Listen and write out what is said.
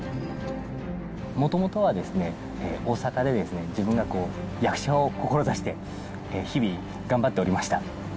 もともとはですね、大阪で自分は役者を志して、日々頑張っておりました。